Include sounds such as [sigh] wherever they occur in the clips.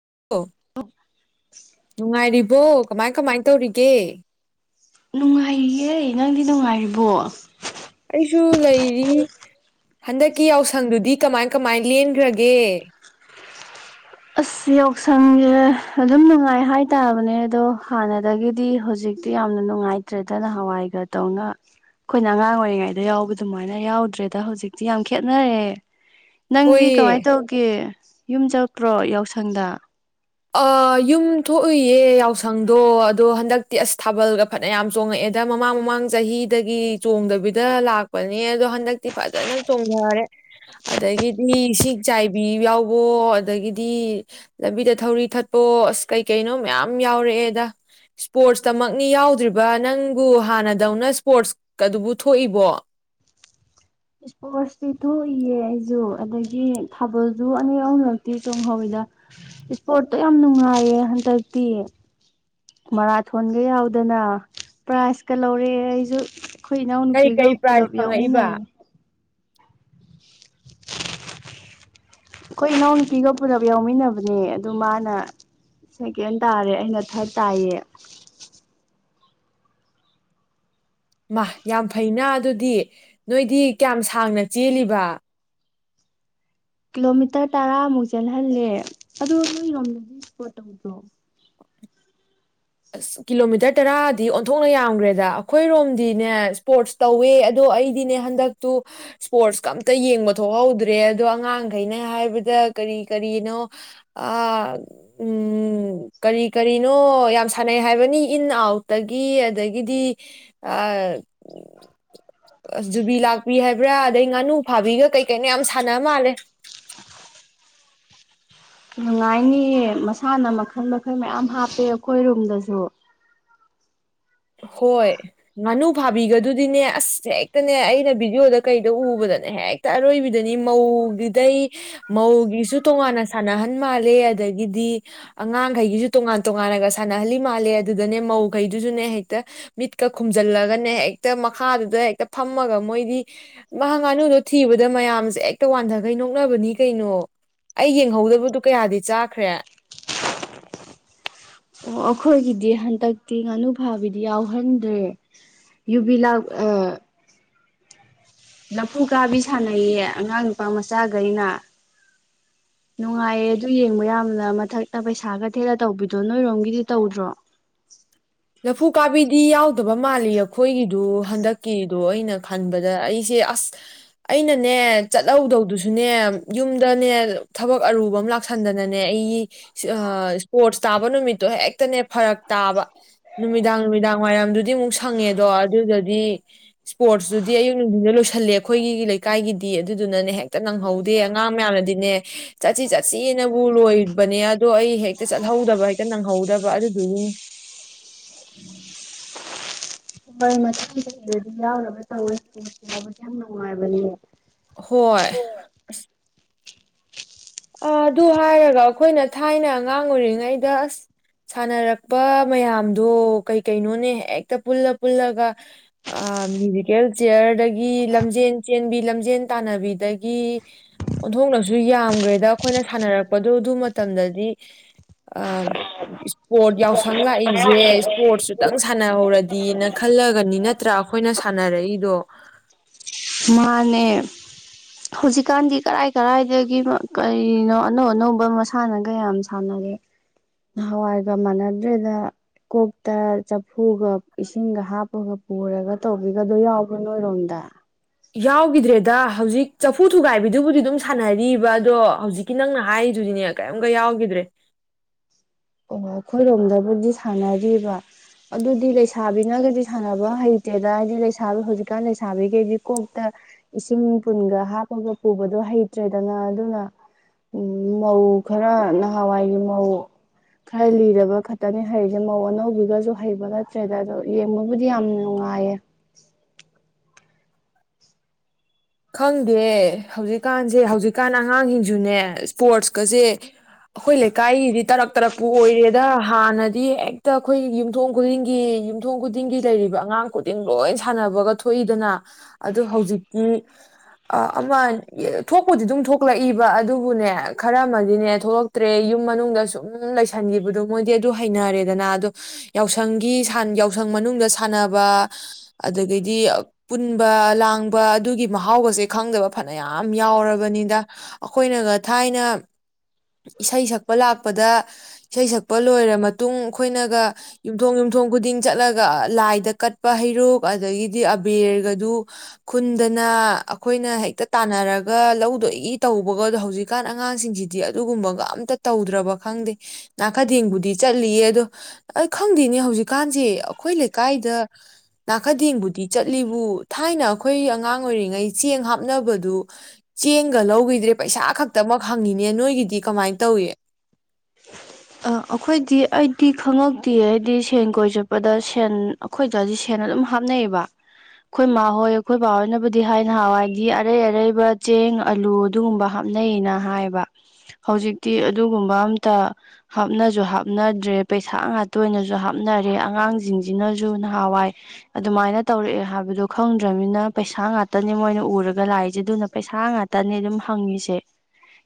[unintelligible] [unintelligible] ꯅꯨꯡꯉꯥꯏꯔꯤ꯫ [unintelligible] ꯀꯃꯥꯏ ꯀꯃꯥꯏ ꯇꯧꯔꯤꯒꯦ꯫ ꯅꯨꯡꯉꯥꯏꯔꯤꯌꯦꯦ ꯅꯪꯗꯤ ꯅꯨꯡꯉꯥꯏꯔꯤꯕꯣ꯫ ꯑꯩꯁꯨ ꯂꯩꯔꯤ ꯍꯟꯗꯛꯀꯤ ꯌꯥꯎꯁꯪꯗꯨꯗꯤ ꯀꯃꯥꯏ ꯀꯃꯥꯏ ꯂꯦꯟꯈ꯭ꯔꯒꯦ꯫ ꯑꯁ ꯌꯥꯎꯁꯪꯁꯦ ꯑꯗꯨꯝ ꯅꯨꯡꯉꯥꯏ ꯍꯥꯏꯇꯥꯕꯅꯦ ꯑꯗꯣ ꯍꯥꯟꯅꯗꯒꯤꯗꯤ ꯍꯧꯖꯤꯛꯇꯤ ꯌꯥꯝꯅ ꯅꯨꯡꯉꯥꯏꯇ꯭ꯔꯦꯗ ꯅꯍꯥꯟꯋꯥꯏꯒ ꯇꯧꯅ ꯑꯩꯈꯣꯏꯅ ꯑꯉꯥꯡ ꯑꯣꯏꯔꯤꯉꯩꯗ ꯌꯥꯎꯕ ꯑꯗꯨꯃꯥꯏꯅ ꯌꯥꯎꯗ꯭ꯔꯦꯗ ꯍꯧꯖꯤꯛꯇꯤ ꯌꯥꯝ ꯈꯦꯅꯔꯦ꯫ ꯅꯪꯗꯤ ꯍꯣꯏꯌꯦ ꯀꯃꯥꯏ ꯇꯧꯒꯦ꯫ ꯌꯨꯝ ꯆ ꯇ꯭ꯔꯣ ꯌꯥꯎꯁꯪꯗ ꯑ ꯌꯨꯝ ꯊꯣꯛꯎꯏꯌꯦ ꯌꯥꯎꯁꯪꯗꯣ ꯑꯗꯣ ꯍꯟꯗꯛꯇꯤ ꯑꯁ ꯊꯥꯕꯜꯒ ꯐꯅꯌꯥꯝ ꯆꯣꯡꯉꯛꯑꯦꯗ ꯃꯃꯥꯡ ꯃꯃꯥꯡ ꯆꯍꯤꯗꯒꯤ ꯆꯣꯡꯗꯕꯤꯗ ꯂꯥꯛꯄꯅꯦ ꯑꯗꯣ ꯍꯟꯗꯛꯇꯤ ꯐꯖꯅ ꯆꯣꯡꯊꯔꯦ ꯑꯗꯒꯤꯗꯤ ꯏꯁꯤꯡ ꯆꯥꯏꯕꯤ ꯌꯥꯎꯕꯣ ꯑꯗꯒꯤꯗꯤ ꯂꯝꯕꯤꯗ ꯊꯧꯔꯤ ꯊꯠꯄꯑꯣ ꯑꯁ ꯀꯩ ꯀꯩꯅꯣ ꯃꯌꯥꯝ ꯌꯥꯎꯔꯛꯑꯦꯗ ꯏꯁꯄꯣꯔꯠꯁꯇꯃꯛꯅꯤ ꯌꯥꯎꯗ꯭ꯔꯤꯕ ꯅꯪꯕꯨ ꯍꯥꯟꯅꯗꯧꯅ ꯏꯁꯄꯣꯔꯠꯁꯀꯗꯨꯕꯨ ꯊꯣꯛꯏꯕꯣ꯫ ꯏꯁꯄꯣꯔꯠꯇꯤ ꯊꯣꯛꯏꯌꯦ ꯑꯩꯁꯨ ꯑꯗꯒꯤ ꯊꯥꯕꯜꯁꯨ ꯑꯅꯤ ꯑꯍ ꯃꯔꯛꯇꯤ ꯆꯣꯡꯍꯧꯋꯤꯗ ꯏꯁꯄꯣꯔꯠꯇꯣ ꯌꯥꯝ ꯅꯨꯡꯉꯥꯏꯌꯦ ꯍꯟꯗꯛꯇꯤ꯫ ꯃꯔꯥꯊꯣꯟꯒ ꯌꯥꯎꯗꯅ ꯄ꯭ꯔꯥꯏꯖꯀ ꯂꯧꯔꯦ ꯑꯩꯁꯨ꯫ ꯑꯩꯈꯣꯏ ꯀꯔꯤ ꯏꯅꯥꯎꯅꯨꯄꯤꯒ ꯀꯔꯤ ꯄ꯭ꯔꯥꯏꯖ ꯄꯨꯜꯂꯞ ꯐꯪꯉꯛꯏꯕ ꯌꯥꯎꯃꯤꯟꯅꯩ꯫ ꯑꯩꯈꯣꯏ ꯏꯅꯥꯎꯅꯨꯄꯤꯒ ꯄꯨꯂꯞ ꯌꯥꯎꯃꯤꯟꯅꯕꯅꯦ ꯑꯗꯨ ꯃꯥꯅ ꯁꯦꯀꯦꯟ ꯇꯥꯔꯦ ꯑꯩꯅ ꯊꯥꯔꯠ ꯇꯥꯏꯌꯦ꯫ ꯃꯥ ꯌꯥꯝ ꯐꯩꯅ ꯑꯗꯨꯗꯤ ꯅꯣꯏꯗꯤ ꯀꯌꯥꯝ ꯁꯥꯡꯅ ꯆꯦꯜꯂꯤꯕ꯫ ꯀꯤꯂꯣꯃꯤꯇꯔ ꯇꯔꯥꯃꯨꯛ ꯆꯦꯜꯍꯜꯂꯦ ꯑꯗꯨ ꯅꯣꯏꯔꯣꯝꯗꯗꯤ ꯏꯁꯄꯣꯔꯠ ꯇꯧꯗ꯭ꯔꯣ꯫ ꯑꯁ ꯀꯤꯂꯣꯃꯤꯇꯔ ꯇꯔꯥꯗꯤ ꯑꯣꯟꯊꯣꯛꯅ ꯌꯥꯝꯈ꯭ꯔꯦꯗ ꯑꯩꯈꯣꯏꯔꯣꯝꯗꯤꯅꯦ ꯏꯁꯄꯣꯔꯠꯁ ꯇꯧꯋꯦ ꯑꯗꯣ ꯑꯩꯗꯤꯅꯦ ꯍꯟꯗꯛꯇꯨ ꯏꯁꯄꯣꯔꯠꯁꯀ ꯑꯝꯇ ꯌꯦꯡꯕ ꯊꯣꯛꯍꯧꯗ꯭ꯔꯦ ꯑꯗꯣ ꯑꯉꯥꯡꯈꯩꯅ ꯍꯥꯏꯕꯗ ꯀꯔꯤ ꯀꯔꯤꯅꯣ ꯑꯥ ꯎꯝ ꯀꯔꯤ ꯀꯔꯤꯅꯣ ꯌꯥꯝ ꯁꯥꯟꯅꯩ ꯍꯥꯏꯕꯅꯤ ꯏꯟ ꯑꯥꯎꯠꯇꯒꯤ ꯑꯗꯒꯤꯗꯤ ꯖꯨꯕꯤ ꯂꯥꯛꯄꯤ ꯍꯥꯏꯕ꯭ꯔꯥ ꯑꯗꯩ ꯉꯥꯅꯨ ꯐꯥꯕꯤꯒ ꯀꯩꯀꯩꯅ ꯌꯥꯝ ꯁꯥꯟꯅ ꯃꯥꯜꯂꯦ꯫ ꯅꯨꯡꯉꯥꯏꯅꯤꯌꯦ ꯃꯁꯥꯅ ꯃꯈꯜ ꯃꯈꯜ ꯃꯌꯥꯝ ꯍꯥꯞꯄꯦ ꯑꯩꯈꯣꯏ ꯔꯨꯝꯗꯁꯨ ꯍꯣꯏ ꯉꯥꯅꯨ ꯐꯥꯕꯤꯒꯗꯨꯗꯤꯅꯦ ꯑꯁ ꯍꯦꯛꯇꯅꯦ ꯑꯩꯅ ꯚꯤꯗꯤꯑꯣꯗ ꯀꯩꯗ ꯎꯕꯗꯅꯦ ꯍꯦꯛꯇ ꯑꯔꯣꯏꯕꯤꯗꯅꯤ ꯃꯧꯒꯤꯗꯩ ꯃꯧꯒꯤꯁꯨ ꯇꯣꯉꯥꯟꯅ ꯁꯥꯟꯅꯍꯟ ꯃꯥꯜꯂꯦ ꯑꯗꯒꯤꯗꯤ ꯑꯉꯥꯡꯈꯩꯒꯤꯁꯨ ꯇꯣꯉꯥꯟ ꯇꯣꯉꯥꯟꯅꯒ ꯁꯥꯟꯅꯍꯜꯂꯤ ꯃꯥꯜꯂꯦ ꯑꯗꯨꯗꯅꯦ ꯃꯧꯈꯩꯗꯨꯁꯨꯅꯦ ꯍꯦ ꯍꯦꯛꯇ ꯃꯤꯠꯀ ꯈꯨꯝꯖꯜꯂꯒꯅꯦ ꯍꯦꯛꯇ ꯃꯈꯥꯗꯨꯗ ꯍꯦꯛꯇ ꯐꯝꯃꯒ ꯃꯣꯏꯗꯤ ꯋꯥ ꯉꯥꯅꯨꯗꯣ ꯊꯤꯕꯗ ꯃꯌꯥꯝꯁꯦ ꯍꯦꯛꯇ ꯋꯥꯟꯊꯈꯩ ꯅꯣꯛꯅꯕꯅꯤ ꯀꯩꯅꯣ ꯑꯩ ꯌꯦꯡꯍꯧꯗꯕꯗꯨ ꯀꯌꯥꯗꯤ ꯆꯥꯈ꯭ꯔꯦ꯫ ꯑꯣ ꯑꯩꯈꯣꯏꯒꯤꯗꯤ ꯍꯟꯗꯛꯇꯤ ꯉꯥꯅꯨ ꯐꯥꯕꯤꯗꯤ ꯌꯥꯎꯍꯟꯗ꯭ꯔꯦ ꯌꯨꯕꯤ ꯂꯥꯛ ꯑꯥ ꯂꯐꯨ ꯀꯥꯕꯤ ꯁꯥꯟꯅꯩꯌꯦ ꯑꯉꯥꯡ ꯅꯨꯄꯥ ꯃꯆꯥꯈꯒꯩꯅ ꯅꯨꯡꯉꯥꯏꯌꯦ ꯑꯗꯨ ꯌꯦꯡꯕ ꯌꯥꯝꯅ ꯃꯊꯛꯇ ꯄꯩꯁꯥꯒ ꯊꯦꯜꯂ ꯇꯧꯕꯤꯗꯣ ꯅꯣꯏꯔꯣꯝꯒꯤꯗꯤ ꯇꯧꯗ꯭ꯔꯣ꯫ ꯂꯐꯨ ꯀꯥꯕꯤꯗꯤ ꯌꯥꯎꯗꯕ ꯃꯥꯜꯂꯤ ꯑꯩꯈꯣꯏꯒꯤꯗꯨ ꯍꯟꯗꯛꯀꯤꯗꯣ ꯑꯩꯅ ꯈꯟꯕꯗ ꯑꯩꯁꯦ ꯑꯁ ꯑꯩꯅꯅꯦ ꯆꯠꯍꯧꯗꯧꯗꯨꯁꯨꯅꯦ ꯌꯨꯝꯗꯅꯦ ꯊꯕꯛ ꯑꯔꯨꯕ ꯑꯃ ꯂꯥꯛꯁꯟꯗꯅꯅꯦ ꯑꯩꯒꯤ ꯑꯥ ꯢꯁꯄꯣꯔꯠ ꯇꯥꯕꯅꯃꯤꯠꯇꯣ ꯍꯦꯛꯇꯅꯦ ꯐꯔꯛ ꯇꯥꯕ ꯅꯨꯃꯤꯗꯥꯡ ꯅꯨꯃꯤꯗꯥꯡ ꯋꯥꯏꯔꯝꯗꯨꯗꯤ ꯑꯃꯨꯛ ꯁ ꯐꯪꯉꯦꯗꯣ ꯑꯗꯨꯗꯗꯤ ꯏꯁꯄꯣꯔꯠꯁꯇꯨꯗꯤ ꯑꯌꯨꯛ ꯅꯨꯡꯊꯤꯟꯗ ꯂꯣꯏꯁꯜꯂꯦ ꯑꯩꯈꯣꯏꯒꯤ ꯂꯩꯀꯥꯏꯒꯤꯗꯤ ꯑꯗꯨꯗꯨꯅꯅꯦ ꯍꯦꯛ ꯍꯦꯛꯇ ꯅꯪꯍꯧꯗꯦ ꯑꯉꯥꯡ ꯃꯌꯥꯝꯅꯗꯤꯅꯦ ꯆꯠꯁꯤ ꯆꯠꯁꯤꯅꯕꯨ ꯂꯣꯏꯕꯅꯦ ꯑꯗꯣ ꯑꯩ ꯍꯦꯛꯇ ꯆꯠꯍꯧꯗꯕ ꯍꯦꯛꯇ ꯅꯪꯍꯧꯗꯕ ꯑꯗꯨꯗꯨꯒꯤꯅꯦ ꯍꯣꯏ ꯃ ꯀꯗꯗꯤ ꯌꯥꯎꯒ ꯇꯧꯔꯁꯨ ꯌꯥꯎꯕꯁꯦ ꯌꯥꯝ ꯅꯨꯡꯉꯥꯏꯕꯅꯦ ꯍꯣꯏ ꯍꯣꯏ ꯑꯁ ꯑ ꯑꯗꯨ ꯍꯥꯏꯔꯒ ꯑꯩꯈꯣꯏꯅ ꯊꯥꯏꯅ ꯑꯉꯥꯡ ꯑꯣꯏꯔꯤꯉꯩꯗ ꯑꯁ ꯁꯥꯟꯅꯔꯛꯄ ꯃꯌꯥꯝꯗꯣ ꯀꯩ ꯀꯩꯅꯣꯅꯦ ꯍꯦꯛꯇ ꯄꯨꯜꯂ ꯄꯨꯜꯂꯒ ꯃ꯭ꯌꯨꯖꯤꯀꯦꯜ ꯆꯤꯌꯔꯗꯒꯤ ꯂꯝꯖꯦꯟ ꯆꯦꯟꯕꯤ ꯂꯝꯖꯦꯟ ꯇꯥꯟꯅꯕꯤꯗꯒꯤ ꯑꯣꯟꯊꯣꯛꯅꯁꯨ ꯌꯥꯝꯈ꯭ꯔꯦ ꯑꯗ ꯑꯩꯈꯣꯏꯅ ꯁꯥꯟꯅꯔꯛꯄꯗꯣ ꯑꯗꯨ ꯃꯇꯝꯗꯗꯤ ꯑ ꯏꯁꯄꯣꯔꯠ ꯌꯥꯎꯁꯪ ꯂꯥꯛꯏꯁꯦ ꯏꯁꯄꯣꯔꯠꯁꯨꯇꯪ ꯁꯥꯟꯅꯍꯧꯔꯗꯤꯅ ꯈꯜꯂꯒꯅꯤ ꯅꯠꯇ꯭ꯔꯥ ꯑꯩꯈꯣꯏꯅ ꯁꯥꯟꯅꯔꯛꯏꯗꯣ ꯃꯥꯅꯦ ꯍꯧꯖꯤꯛꯀꯥꯟꯗꯤ ꯀꯔꯥꯏ ꯀꯔꯥꯏꯗꯒꯤ ꯀꯅꯣ ꯑꯅꯧ ꯑꯅꯧꯕ ꯃꯁꯥꯟꯅꯒ ꯌꯥꯝ ꯁꯥꯟꯅꯔꯦ ꯅꯍꯋꯥꯏꯒ ꯃꯥꯟꯅꯗ꯭ꯔꯦꯗ ꯀꯣꯛꯇ ꯆꯐꯨꯒ ꯏꯁꯤꯡꯒ ꯍꯥꯞꯄꯒ ꯄꯨꯔꯒ ꯇꯧꯕꯤꯒꯗꯣ ꯌꯥꯎꯕ꯭ꯔꯥ ꯅꯣꯏꯔꯣꯝꯗ ꯌꯥꯎꯈꯤꯗ꯭ꯔꯦꯗ ꯍꯧꯖꯤꯛ ꯆꯐꯨ ꯊꯨꯒꯥꯏꯕꯤꯗꯨꯕꯨꯗꯤ ꯑꯗꯨꯝ ꯁꯥꯟꯅꯔꯤꯕ ꯑꯗꯣ ꯍꯧꯖꯤꯛꯀꯤ ꯅꯪꯅ ꯍꯥꯏꯔꯤꯗꯨꯗꯤꯅꯦ ꯀꯔꯤꯝꯀ ꯌꯥꯎꯈꯤꯗ꯭ꯔꯦ ꯑꯣ ꯑꯩꯈꯣꯏꯔꯣꯝꯗꯕꯨꯗꯤ ꯁꯥꯟꯅꯔꯤꯕ ꯑꯗꯨꯗꯤ ꯂꯩꯁꯥꯕꯤꯅꯒꯗꯤ ꯁꯥꯟꯅꯕ ꯍꯩꯇꯦꯗ ꯍꯥꯏꯗꯤ ꯂꯩꯁꯥꯕꯤ ꯍꯧꯖꯤꯛꯀꯥꯟ ꯂꯩꯁꯥꯕꯤꯈꯩꯗꯤ ꯀꯣꯛꯇ ꯏꯁꯤꯡ ꯄꯨꯟꯒ ꯍꯥꯞꯄꯒ ꯄꯨꯕꯗꯣ ꯍꯩꯇ꯭ꯔꯦꯗꯅ ꯑꯗꯨꯅ ꯃꯧ ꯈꯔ ꯅꯍꯥꯟꯋꯥꯏꯒꯤ ꯃꯧ ꯈꯔ ꯂꯤꯔꯕ ꯈꯛꯇꯅꯤ ꯍꯩꯔꯤꯁꯦ ꯃꯧ ꯑꯅꯧꯕꯤꯒꯁꯨ ꯍꯩꯕ ꯅꯠꯇ꯭ꯔꯦꯗ ꯑꯗꯣ ꯌꯦꯡꯕꯕꯨꯗꯤ ꯌꯥꯝ ꯅꯨꯡꯉꯥꯏꯌꯦ ꯈꯪꯗꯦ ꯍꯧꯖꯤꯛꯀꯥꯟꯁꯦ ꯍꯧꯖꯤꯛꯀꯥꯟ ꯑꯉꯥꯡꯁꯤꯡꯁꯨꯅꯦ ꯏꯁꯄꯣꯔꯠꯁꯀꯁꯦ ꯑꯩꯈꯣꯏ ꯂꯩꯀꯥꯏꯒꯤꯗꯤ ꯇꯔꯛ ꯇꯔꯛꯄꯨ ꯑꯣꯏꯔꯦꯗ ꯍꯥꯟꯅꯗꯤ ꯍꯦꯛꯇ ꯑꯩꯈꯣꯏ ꯌꯨꯝꯊꯣꯡ ꯈꯨꯗꯤꯡꯒꯤ ꯌꯨꯝꯊꯣꯡ ꯈꯨꯗꯤꯡꯒꯤ ꯂꯩꯔꯤꯕ ꯑꯉꯥꯡ ꯈꯨꯗꯤꯡ ꯂꯣꯏ ꯁꯥꯟꯅꯕꯒ ꯊꯣꯛꯏꯗꯅ ꯑꯗꯨ ꯍꯧꯖꯤꯛꯇꯤ ꯑꯃ ꯊꯣꯛꯄꯗꯤ ꯑꯗꯨꯝ ꯊꯣꯛꯂꯛꯏꯕ ꯑꯗꯨꯕꯨꯅꯦ ꯈꯔ ꯑꯃꯗꯤꯅꯦ ꯊꯣꯛꯂꯛꯇ꯭ꯔꯦ ꯌꯨꯝ ꯃꯅꯨꯡꯗ ꯁꯨꯝ ꯂꯩꯁꯟꯈꯤꯕꯗꯣ ꯃꯣꯏꯗꯤ ꯑꯗꯨ ꯍꯩꯅꯔꯦꯗꯅ ꯑꯗꯣ ꯌꯥꯎꯁꯪꯒꯤ ꯌꯥꯎꯁꯪ ꯃꯅꯨꯡꯗ ꯁꯥꯟꯅꯕ ꯑꯗꯒꯤꯗꯤ ꯄꯨꯟꯕ ꯂꯥꯡꯕ ꯑꯗꯨꯒꯤ ꯃꯍꯥꯎꯒꯁꯦ ꯈꯪꯗꯕ ꯐꯅꯌꯥꯝ ꯌꯥꯎꯔꯕꯅꯤꯗ ꯑꯩꯈꯣꯏꯅꯒ ꯊꯥꯏꯅ ꯏꯁꯩ ꯁꯛꯄ ꯂꯥꯛꯄꯗ ꯏꯁꯩ ꯁꯛꯄ ꯂꯣꯏꯔ ꯃꯇꯨꯡ ꯑꯩꯈꯣꯏꯅꯒ ꯌꯨꯝꯊꯣꯡ ꯌꯨꯝꯊꯣꯡ ꯈꯨꯗꯤꯡ ꯆꯠꯂꯒ ꯂꯥꯏꯗ ꯀꯠꯄ ꯍꯩꯔꯨꯛ ꯑꯗꯒꯤꯗꯤ ꯑꯕꯦꯔꯒꯗꯨ ꯈꯨꯟꯗ ꯅ ꯑꯩꯈꯣꯏꯅ ꯍꯦꯛꯇ ꯇꯥꯟꯅꯔꯒ ꯂꯧꯗꯣꯏꯒꯤ ꯇꯧꯕꯒ ꯑꯗꯣ ꯍꯧꯖꯤꯛꯀꯥꯟ ꯑꯉꯥꯡꯁꯤꯡꯁꯤꯗꯤ ꯑꯗꯨꯒꯨꯝꯕꯒ ꯑꯝꯇ ꯇꯧꯗ꯭ꯔꯕ ꯈꯪꯗꯦ ꯅꯥꯀꯗꯦꯡꯕꯨꯗꯤ ꯆꯠꯂꯤꯌꯦ ꯑꯗꯣ ꯑꯩ ꯈꯪꯗꯦꯅꯦ ꯍꯧꯖꯤꯛꯀꯥꯟꯁꯦ ꯑꯩꯈꯣꯏ ꯂꯩꯀꯥꯏꯗ ꯅꯥꯀꯗꯦꯡꯕꯨꯗꯤ ꯆꯠꯂꯤꯕꯨ ꯊꯥꯏꯅ ꯑꯩꯈꯣꯏ ꯑꯉꯥꯡ ꯑꯣꯏꯔꯤꯉꯩ ꯆꯦꯡ ꯍꯥꯞꯅꯕꯗꯨ ꯆꯦꯡꯒ ꯂꯧꯈꯤꯗ꯭ꯔꯦ ꯄꯩꯁꯥ ꯈꯛꯇꯃꯛ ꯍꯪꯉꯤꯅꯦ ꯅꯣꯏꯒꯤꯗꯤ ꯀꯃꯥꯏꯅ ꯇꯧꯏ ꯑꯩꯈꯣꯏꯗꯤ ꯑꯩꯗꯤ ꯈꯉꯛꯇꯦ ꯍꯥꯏꯗꯤ ꯁꯦꯟ ꯀꯣꯏ ꯆꯠꯄꯗ ꯁꯦꯟ ꯑꯩꯈꯣꯏꯗꯗꯤ ꯁꯦꯟ ꯑꯗꯨꯝ ꯍꯥꯞꯅꯩꯑꯕ ꯑꯩꯈꯣꯏ ꯏ ꯃꯥꯍꯣꯏ ꯑꯩꯈꯣꯏ ꯕꯥꯍꯣꯏꯅꯕꯨꯗꯤ ꯍꯥꯏꯅ ꯍꯥꯎꯏ ꯍꯥꯏꯕꯗꯤ ꯑꯔꯩ ꯑꯔꯩꯕ ꯆꯦꯡ ꯑꯂꯨ ꯑꯗꯨꯒꯨꯝꯕ ꯍꯥꯞꯅꯩꯅ ꯍꯥꯏꯕ ꯍꯧꯖꯤꯛꯇꯤ ꯑꯗꯨꯒꯨꯝꯕ ꯑꯝ ꯇ ꯍꯥꯞꯅꯁꯨ ꯍꯥꯞꯅꯗ꯭ꯔꯦ ꯄꯩꯁꯥ ꯉꯇ ꯑꯣꯏꯅꯁꯨ ꯍꯥꯞꯅꯔꯦ ꯑꯉꯥꯡꯁꯤꯡꯁꯤꯅꯁꯨ ꯅꯍꯥꯟꯋꯥꯏ ꯑꯗꯨꯃꯥꯏꯅ ꯇꯧꯔꯛꯑꯦ ꯍꯥꯏꯕꯗꯣ ꯈꯪꯗ꯭ꯔꯅꯤꯅ ꯄꯩꯁꯥ ꯉꯇꯅꯦ ꯃꯣꯏꯅ ꯎꯔꯒ ꯂꯥꯛꯏꯁꯦ ꯑꯗꯨꯅ ꯄꯩꯁꯥ ꯉꯇꯅꯦ ꯑꯗꯨꯝ ꯍꯪꯉꯤꯁꯦ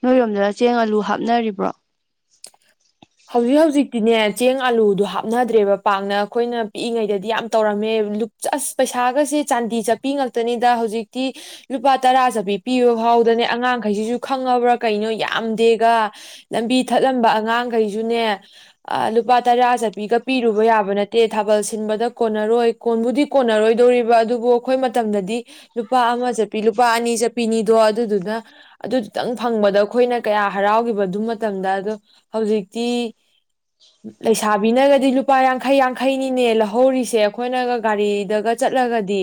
ꯅꯣꯏꯔꯣꯝꯗꯗ ꯆꯦꯡ ꯑꯂꯨ ꯍꯥꯞꯅꯔꯤꯕ꯭ꯔꯣ? [inaudible] ꯅꯦ ꯆꯦꯡ ꯑꯂꯨꯗꯣ ꯍꯥꯞꯅꯗ꯭ꯔꯦꯕ ꯄꯥꯛꯅ ꯑꯩꯈꯣꯏꯅ ꯄꯤꯛꯏꯉꯩꯗꯗꯤ ꯌꯥꯝ ꯇꯧꯔꯝꯃꯦ ꯑꯁ ꯄꯩꯁꯥꯒꯁꯦ ꯆꯥꯟꯗꯤ ꯆꯠꯄꯤ ꯉꯇꯅꯤꯗ ꯍꯧꯖꯤꯛꯇꯤ ꯂꯨꯄꯥ ꯇꯔꯥ ꯆꯠꯄꯤ ꯄꯤꯕ ꯐꯥꯎꯗꯅꯦ ꯑꯉꯥꯡꯈꯩꯁꯤꯁꯨ ꯈꯪꯉꯕ꯭ꯔꯥ ꯀꯩꯅꯣ ꯌꯥꯝꯗꯦꯒ ꯂꯝꯕꯤ ꯊꯠꯂꯝꯕ ꯑꯉꯥꯡ ꯀꯩꯁꯨꯅꯦ ꯂꯨꯄꯥ ꯇꯔꯥ ꯆꯠꯄꯤꯒ ꯄꯤꯔꯨꯕ ꯌꯥꯕ ꯅꯠꯇꯦ ꯊꯥꯕꯜ ꯁꯤꯟꯕꯗ ꯀꯣꯟꯅꯔꯣꯏ ꯀꯣꯟꯕꯨꯗꯤ ꯀꯣꯟꯅꯔꯣꯏꯗꯣꯔꯤꯕ ꯑꯗꯨꯕꯨ ꯑꯩꯈꯣꯏ ꯃꯇꯝꯗꯗꯤ ꯂꯨꯄꯥ ꯑꯃ ꯆꯠꯄꯤ ꯂꯨꯄꯥ ꯑꯅꯤ ꯆꯠꯄꯤꯅꯤꯗꯣ ꯑꯗꯨꯗꯨꯅ ꯑꯗꯨ ꯈꯤꯇꯪ ꯐꯪꯕꯗ ꯑꯩꯈꯣꯏꯅ ꯀꯌꯥ ꯍꯔꯥꯎꯈꯤꯕ ꯑꯗꯨ ꯃꯇꯝꯗ ꯑꯗꯣ ꯍꯧꯖꯤꯛꯇꯤ ꯂꯩꯁꯥꯕꯤꯅꯒꯗꯤ ꯂꯨꯄꯥ ꯌꯥꯡꯈꯩ ꯌꯥꯡꯈꯩꯅꯤꯅꯦ ꯂꯧꯍꯧꯔꯤꯁꯦ ꯑꯩꯈꯣꯏꯅꯒ ꯒꯥꯔꯤꯗꯒ ꯆꯠꯂꯒꯗꯤ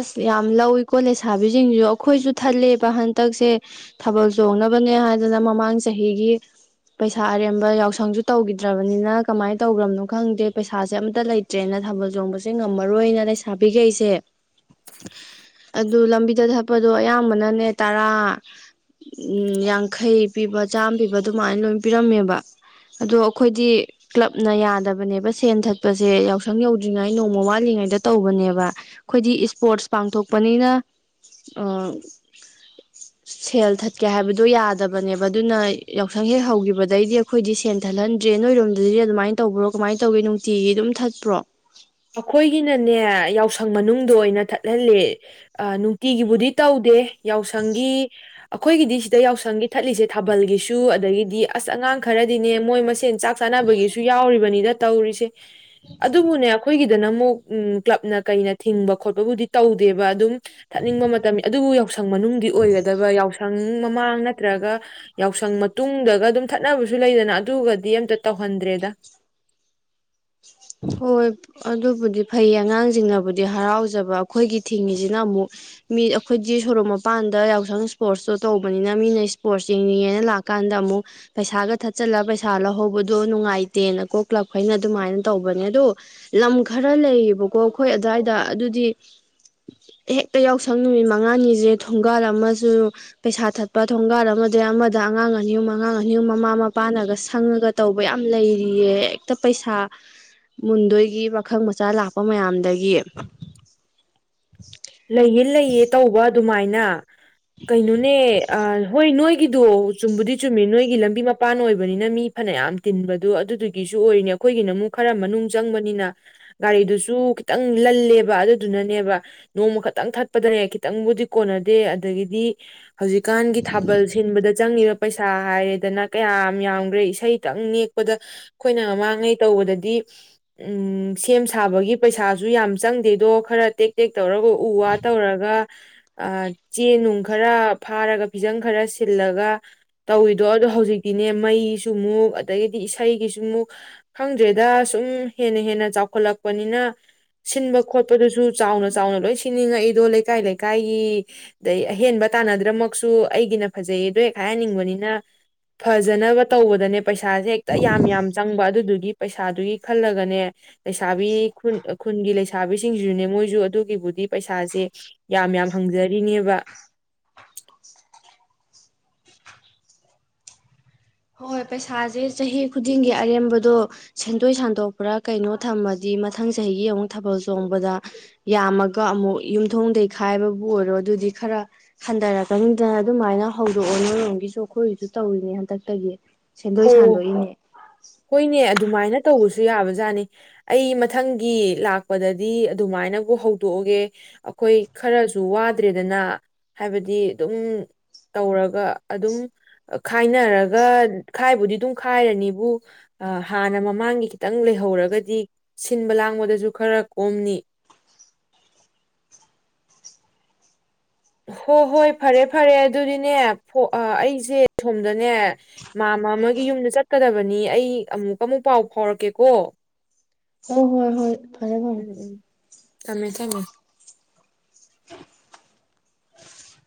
ꯑꯁ ꯌꯥꯝ ꯂꯧꯏꯤꯀꯣ ꯂꯩꯁꯥꯕꯤꯁꯤꯡꯁꯨ ꯑꯩꯈꯣꯏꯁꯨ ꯊꯜꯂꯦꯕ ꯍꯟꯇꯛꯁꯦ ꯊꯥꯕꯜ ꯆꯣꯡꯅꯕꯅꯦ ꯍꯥꯏꯗꯅ ꯃꯃꯥꯡ ꯆꯍꯤꯒꯤ ꯄꯩꯁꯥ ꯑꯔꯦꯝꯕ ꯌꯥꯎꯁꯪꯁꯨ ꯇꯧꯈꯤꯗ꯭ꯔꯕꯅꯤꯅ ꯀꯃꯥꯏꯅ ꯇꯧꯈ꯭ꯔꯕꯅꯣ ꯈꯪꯗꯦ ꯄꯩꯁꯥꯁꯦ ꯑꯃꯝꯇ ꯂꯩꯇ꯭ꯔꯦꯅ ꯊꯥꯕꯜ ꯆꯣꯡꯕꯁꯦ ꯉꯝꯃꯔꯣꯏꯅ ꯂꯩꯁꯥꯕꯤꯈꯩꯁꯦ ꯑꯗꯨ ꯂꯝꯕꯤꯗ ꯊꯛꯄꯗꯣ ꯑꯌꯥꯝꯕꯅꯅꯦ ꯇꯔꯥ ꯌꯥꯡꯈꯩ ꯄꯤꯕ ꯆꯥꯝꯃ ꯄꯤꯕ ꯑꯗꯨꯃꯥꯏꯅ ꯂꯣꯏ ꯄꯤꯔꯝꯃꯦꯕ ꯑꯗꯣ ꯑꯩꯈꯣꯏꯗꯤ ꯀ꯭ꯂꯞꯅ ꯌꯥꯗꯕꯅꯦꯕ ꯁꯦꯟ ꯊꯛꯄꯁꯦ ꯌꯥꯎꯁꯪ ꯌꯧꯗ꯭ꯔꯤꯉꯩ ꯅꯣꯡꯃ ꯋꯥꯠꯂꯤꯉꯩꯗ ꯇꯧꯕꯅꯦꯕ ꯑꯩꯈꯣꯏꯗꯤ ꯏꯁꯄꯣꯔꯠꯁ ꯄꯥꯡꯊꯣꯛꯄꯅꯤꯅ ꯁꯦꯜ ꯊꯠꯀꯦ ꯍꯥꯏꯕꯗꯣ ꯌꯥꯗꯕꯅꯦꯕ ꯑꯗꯨꯅ ꯌꯥꯎꯁꯪ ꯍꯦꯛ ꯍꯧꯈꯤꯕꯗꯩꯗꯤ ꯑꯩꯈꯣꯏꯗꯤ ꯁꯦꯜ ꯊꯠꯍꯟꯗ꯭ꯔꯦ ꯅꯣꯏꯔꯣꯝꯗꯗꯤ ꯑꯗꯨꯃꯥꯏꯅ ꯇꯧꯕ꯭ꯔꯣ ꯀꯃꯥꯏꯅ ꯇꯧꯒꯦ ꯅꯨꯡꯇꯤꯒꯤ ꯑꯗꯨꯝ ꯊꯠꯄ꯭ꯔꯣ? ꯑꯩꯈꯣꯏꯒꯤꯅꯅꯦ ꯌꯥꯎꯁꯪ ꯃꯅꯨꯡꯗ ꯑꯣꯏꯅ ꯊꯠꯍꯜꯂꯦ ꯅꯨꯡꯇꯤꯒꯤꯕꯨꯗꯤ ꯇꯧꯗꯦ ꯌꯥꯎꯁꯪꯒꯤ ꯑꯩꯈꯣꯏꯒꯤꯗꯤ ꯁꯤꯗ ꯌꯥꯎꯁꯪꯒꯤ ꯊꯠꯂꯤꯁꯦ ꯊꯥꯕꯜꯒꯤꯁꯨ ꯑꯗꯒꯤꯗꯤ ꯑꯁ ꯑꯉꯥꯡ ꯈꯔꯗꯤꯅꯦ ꯃꯣꯏ ꯃꯁꯦꯟ ꯆꯥꯛ ꯆꯥꯅꯕꯒꯤꯁꯨ ꯌꯥꯎꯔꯤꯕꯅꯤꯗ ꯇꯧꯔꯤꯁꯦ ꯑꯗꯨꯕꯨꯅꯦ ꯑꯩꯈꯣꯏ ꯑꯩꯒꯤꯗꯅ ꯑꯃꯨꯛ ꯎ ꯀ꯭ꯂꯕꯅ ꯀꯩꯅ ꯊꯤꯡꯕ ꯈꯣꯠꯄꯕꯨꯗꯤ ꯇꯧꯗꯦꯕ ꯑꯗꯨꯝ ꯊꯠꯅꯤꯡꯕ ꯃꯇꯝꯅꯤ ꯑꯗꯨꯕꯨ ꯌꯥꯎꯁꯪ ꯃꯅꯨꯡꯗꯗꯤ ꯑꯣꯏꯒꯗꯕ ꯌꯥꯎꯁꯪ ꯌꯥꯎꯁꯪ ꯃꯃꯥꯡ ꯅꯠꯇ꯭ꯔꯒ ꯌꯥꯎꯁꯪ ꯃꯇꯨꯡꯗꯒ ꯑꯗꯨꯝ ꯊꯠꯅꯕꯁꯨ ꯂꯩꯗꯅ ꯑꯗꯨꯒꯗꯤ ꯑꯝꯇ ꯇꯧꯍꯟꯗ꯭ꯔꯦꯗ ꯍꯣꯏ ꯑꯗꯨꯕꯨꯗꯤ ꯐꯩꯌꯦ ꯑꯉꯥꯡꯁꯤꯡꯅꯕꯨꯗꯤ ꯍꯔꯥꯎꯖꯕ ꯑꯩꯈꯣꯏꯒꯤ ꯊꯤꯡꯉꯤꯁꯤꯅ ꯑꯃꯨꯛ ꯃꯤ ꯑꯩꯈꯣꯏꯗꯤ ꯁꯣꯔꯣꯛ ꯃꯄꯥꯟꯗ ꯌꯥꯎꯁꯪ ꯏꯁꯄꯣꯔꯠꯁꯇꯣ ꯇꯧꯕꯅꯤꯅ ꯃꯤꯅ ꯏꯁꯄꯣꯔꯠꯁ ꯌꯦꯡꯅꯤꯡꯉꯦꯅ ꯂꯥꯛꯀꯥꯟꯗ ꯑꯃꯨꯛ ꯄꯩꯁꯥꯒ ꯊꯠꯆꯜꯂ ꯄꯩꯁꯥ ꯂꯧꯍꯧꯕꯗꯣ ꯅꯨꯡꯉꯥꯏꯇꯦꯅꯀꯣ ꯀ꯭ꯂꯕꯈꯩꯅ ꯑꯗꯨꯃꯥꯏꯅ ꯇꯧꯕꯅꯦ ꯑꯗꯣ ꯂꯝ ꯈꯔ ꯂꯩꯌꯦꯕꯀꯣ ꯑꯩꯈꯣꯏ ꯑꯗꯨꯋꯥꯏꯗ ꯑꯗꯨꯗꯤ ꯍꯦꯛꯇ ꯌꯥꯎꯁꯪ ꯅꯨꯃꯤꯠ ꯃꯉꯥꯅꯤꯁꯦ ꯊꯣꯡꯒꯥꯜ ꯑꯃꯁꯨ ꯄꯩꯁꯥ ꯊꯠꯄ ꯊꯣꯡꯒꯥꯜ ꯑꯃꯗ ꯑꯃꯗ ꯑꯉꯥꯡ ꯑꯅꯤ ꯑꯨꯝ ꯑꯉꯥꯡ ꯑꯅꯤ ꯑꯨꯝ ꯃꯃꯥ ꯃꯄꯥꯅꯒ ꯁꯪꯉꯒ ꯇꯧꯕ ꯌꯥꯝ ꯂꯩꯔꯤꯌꯦ ꯍꯦꯛꯇ ꯄꯩꯁꯥ ꯃꯨꯟꯗꯣꯏꯒꯤ ꯄꯥꯈꯪ ꯃꯆꯥ ꯂꯥꯛꯄ ꯃꯌꯥꯝꯗꯒꯤ [inaudible] ꯂꯩꯌꯦ ꯂꯩꯌꯦ ꯇꯧꯕ ꯑꯗꯨꯃꯥꯏꯅ ꯀꯩꯅꯣꯅꯦ ꯑ ꯍꯣꯏ ꯅꯣꯏ ꯑꯩꯒꯤꯗꯣ ꯆꯨꯝꯕꯨꯗꯤ ꯆꯨꯝꯃꯤ ꯅꯣꯏꯒꯤ ꯂꯝꯕꯤ ꯃꯄꯥꯟ ꯑꯣꯏꯕꯅꯤꯅ ꯃꯤ ꯐꯅꯌꯥꯝ ꯇꯤꯟꯕꯗꯣ ꯑꯗꯨꯗꯨꯒꯤꯁꯨ ꯑꯣꯏꯔꯤꯅꯤ ꯑꯩꯈꯣꯏꯒꯤꯅ ꯑꯃꯨꯛ ꯈꯔ ꯃꯅꯨꯡ ꯆꯪꯕꯅꯤꯅ ꯒꯥꯔꯤꯗꯨꯁꯨ ꯈꯤꯇꯪ ꯂꯜꯂꯦꯕ ꯑꯗꯨꯗꯨꯅꯅꯦꯕ ꯅꯣꯡꯃ ꯈꯛꯇꯪ ꯊꯛꯄꯗꯅꯦ ꯈꯤꯇꯪꯕꯨꯗꯤ ꯀꯣꯟꯅꯗꯦ ꯑꯗꯒꯤꯗꯤ ꯍꯧꯖꯤꯛꯀꯥꯟꯒꯤ ꯊꯥꯕꯜ ꯁꯤꯟꯕꯗ ꯆꯪꯉꯤꯕ ꯄꯩꯁꯥ ꯍꯥꯏꯔꯦꯗꯅ ꯀꯌꯥꯝ ꯌꯥꯝꯈ꯭ꯔꯦ ꯏꯁꯩꯇꯪ ꯅꯦꯛꯄꯗ ꯑꯩꯈꯣꯏꯅ ꯃꯃꯥꯡꯉꯩ ꯇꯧꯕꯗꯗꯤ ꯎ ꯁꯦꯝ ꯁꯥꯕꯒꯤ ꯄꯩꯁꯥꯁꯨ ꯌꯥꯝ ꯆꯪꯗꯦꯗꯣ ꯈꯔ ꯇꯦꯛ ꯇꯦꯛ ꯇꯧꯔꯒ ꯎ ꯋꯥ ꯇꯧꯔꯒ ꯆꯦ ꯅꯨꯡ ꯈꯔ ꯐꯥꯔꯒ ꯐꯤꯖꯪ ꯈꯔ ꯁꯤꯜꯂꯒ ꯇꯧꯋꯤꯗꯣ ꯑꯗꯣ ꯍꯧꯖꯤꯛꯇꯤꯅꯦ ꯃꯩꯁꯨ ꯃꯨꯛ ꯑꯗꯒꯤꯗꯤ ꯏꯁꯩꯒꯤꯁꯨ ꯃꯨꯛ ꯈꯪꯗ꯭ꯔꯦꯗ ꯁꯨꯝ ꯍꯦꯟꯅ ꯍꯦꯟꯅ ꯆꯥꯎꯈꯠꯂꯛꯄꯅꯤꯅ ꯁꯤꯟꯕ ꯈꯣꯠꯄꯗꯨꯁꯨ ꯆꯥꯎꯅ ꯆꯥꯎꯅ ꯂꯣꯏ ꯁꯤꯅꯤꯡꯉꯛꯏꯗꯣ ꯂꯩꯀꯥꯏ ꯂꯩꯀꯥꯏꯒꯤ ꯑꯗꯩ ꯑꯍꯦꯟꯕ ꯇꯥꯟꯅꯗ꯭ꯔꯃꯛꯁꯨ ꯑꯩꯒꯤꯅ ꯐꯖꯩꯌꯦ ꯑꯗꯣ ꯍꯦꯛ ꯍꯥꯏꯍꯟꯅꯤꯡꯕꯅꯤꯅ ꯐꯖꯅꯕ ꯇꯧꯕꯗꯅꯦ ꯄꯩꯁꯥꯁꯦ ꯍꯦꯛꯇ ꯌꯥꯝ ꯌꯥꯝ ꯆꯪꯕ ꯑꯗꯨꯗꯨꯒꯤ ꯒꯤ ꯄꯩꯁꯥꯗꯨꯒꯤ ꯈꯜꯂꯒꯅꯦ ꯂꯩꯁꯥꯕꯤ ꯈꯨꯟ ꯈꯨꯟꯒꯤ ꯂꯩꯁꯥꯕꯤꯁꯤꯡꯁꯤꯁꯨꯅꯦ ꯃꯣꯏꯁꯨ ꯑꯗꯨ ꯒꯤꯕꯨꯗꯤ ꯄꯩꯁꯥꯁꯦ ꯌꯥꯝ ꯌꯥꯝ ꯍꯪꯖꯔꯤꯅꯦꯕ ꯍꯣꯏ ꯍꯣꯏ ꯄꯩꯁꯥꯁꯦ ꯆꯍꯤ ꯈꯨꯗꯤꯡꯒꯤ ꯑꯔꯦꯝꯕꯗꯣ ꯁꯦꯟꯗꯣꯏ ꯁꯟꯗꯣꯛꯄ꯭ꯔꯥ ꯀꯩꯅꯣ ꯊꯝꯃꯗꯤ ꯃꯊꯪ ꯆꯍꯤꯒꯤ ꯑꯃꯨꯛ ꯊꯥꯕꯜ ꯆꯣꯡꯕꯗ ꯌꯥꯝꯃꯒ ꯑꯃꯨꯛ ꯌꯨꯝꯊꯣꯡꯗꯒꯤꯩ ꯈꯥꯏꯕꯕꯨ ꯑꯣꯏꯔꯣ ꯑꯗꯨꯗꯤ ꯈꯔ ꯍꯟꯊꯔꯛꯀꯅꯤꯗꯅ ꯑꯗꯨꯃꯥꯏꯅ ꯍꯧꯗꯣꯛꯑꯣ ꯅꯣꯏꯔꯣꯝꯒꯤꯁꯨ ꯑꯩꯈꯣꯏꯒꯤꯁꯨ ꯇꯧꯔꯤꯅꯦ ꯍꯟꯗꯛ ꯇꯒꯤ ꯁꯦꯟꯗꯣꯏ ꯑꯣ ꯁꯟꯗꯣꯛꯏꯅꯦ ꯍꯣꯏꯅꯦ ꯑꯗꯨꯃꯥꯏꯅ ꯇꯧꯕꯁꯨ ꯌꯥꯕꯖꯥꯠꯅꯤ ꯑꯩ ꯃꯊꯪꯒꯤ ꯂꯥꯛꯄꯗꯗꯤ ꯑꯗꯨꯃꯥꯏꯅꯕꯨ ꯍꯧꯗꯣꯛꯑꯒꯦ ꯑꯩꯈꯣꯏ ꯈꯔꯁꯨ ꯋꯥꯗ꯭ꯔꯦꯗꯅ ꯍꯥꯏꯕꯗꯤ ꯑꯗꯨꯝ ꯇꯧꯔꯒ ꯑꯗꯨꯝ ꯈꯥꯏꯅꯔꯒ ꯈꯥꯏꯕꯨꯗꯤ ꯑꯗꯨꯝ ꯈꯥꯏꯔꯅꯤꯕꯨ ꯍꯥꯟꯅ ꯃꯃꯥꯡꯒꯤ ꯈꯤꯇꯪ ꯂꯩꯍꯧꯔꯒꯗꯤ ꯁꯤꯟꯕ ꯂꯥꯡꯕꯗꯁꯨ ꯈꯔ ꯀꯣꯝꯅꯤ ꯍꯣ ꯍꯣꯏ ꯐꯔꯦ ꯐꯔꯦ ꯑꯗꯨꯗꯤꯅꯦ ꯑꯩꯁꯦ ꯁꯣꯝꯗꯅꯦ ꯃꯥꯃ ꯑꯃꯒꯤ ꯌꯨꯝꯗ ꯆꯠꯀꯗꯕꯅꯤ ꯑꯩ ꯑꯃꯨꯛ ꯑꯃꯨꯛ ꯄꯥꯎ ꯐꯥꯎꯔꯛꯀꯦꯀꯣ ꯑꯣ ꯍꯣꯏ ꯍꯣꯏ ꯐꯔꯦ ꯐꯔꯦ ꯎꯝ ꯎ ꯊꯝꯃꯦ ꯊꯝꯃꯦ